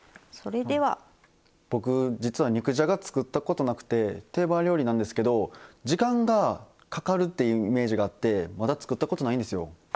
僕実は肉じゃが作ったことなくて定番料理なんですけど時間がかかるっていうイメージがあってまだ作ったことないんですよ。